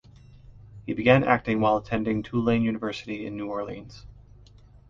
He began acting while attending Tulane University in New Orleans.